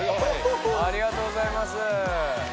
ありがとうございます。